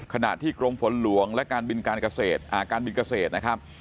ขณะที่กรมฝนหลวงและการบินการบินเกษตรนะครับ